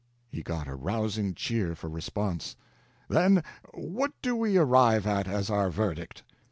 He got a rousing cheer for response. "Then what do we arrive at as our verdict?